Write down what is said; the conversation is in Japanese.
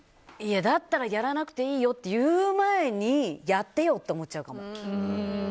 だったらやらなくていいよって言う前にやってよ！って思っちゃうかも。